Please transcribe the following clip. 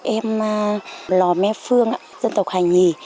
em lò mê phương dân tộc hà nhì